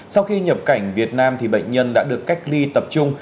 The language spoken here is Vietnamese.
sau khi nhập cảnh việt nam bệnh nhân đã được cách ly tập trung